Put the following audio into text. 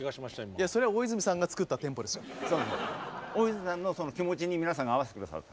大泉さんのその気持ちに皆さんが合わせて下さった。